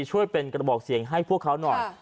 ช่วยเป็นกระบอกเสียงให้พวกเขาหน่อย